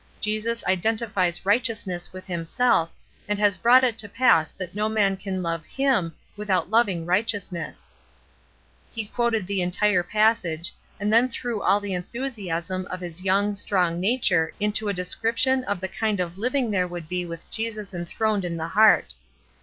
Jesus identifies 214 ESTER RIED^S NAMESAKE righteousness with Himself, and has brought it to pass that no man can love Him without loving righteousness/" He quoted the entire passage, and then threw all the enthusiasm of his young, strong nature into a description of the kind of Uving there would be with Jesus enthroned in the heart.